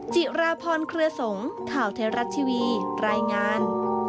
จิระพรเคลือสงฆ์ข่าวเทราะทีวีรายงาน